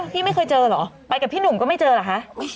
พี่ไม่เคยเจอเหรอไปกับพี่หนุ่มก็ไม่เจอเหรอคะ